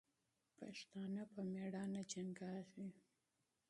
پښتانه په میړانې جنګېږي.